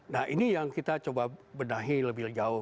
nah ini yang kita coba benahi lebih jauh